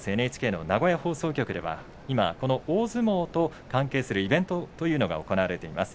ＮＨＫの名古屋放送局では今この大相撲と関係するイベントが行われています。